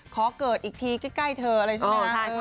ขอเกิดอีกทีใกล้เธอเลยใช่ไหมคะ